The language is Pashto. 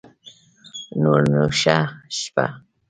نور نو شه شپه